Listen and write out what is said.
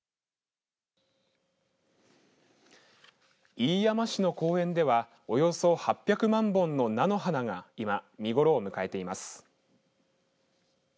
飯山市の公園ではおよそ８００万本の菜の花が今、見頃を迎えています。